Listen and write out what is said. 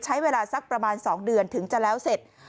ใช้เวลาสักประมาณ๒เดือนถึงจะแล้วเสร็จ